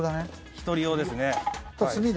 １人用ですね。